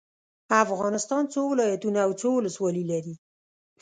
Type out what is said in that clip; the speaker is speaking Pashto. افغانستان څو ولايتونه او څو ولسوالي لري؟